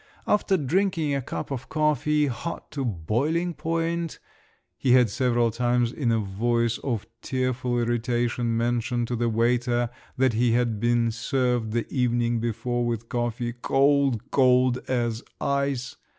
After drinking a cup of coffee, hot to boiling point (he had several times in a voice of tearful irritation mentioned to the waiter that he had been served the evening before with coffee, cold—cold as ice!)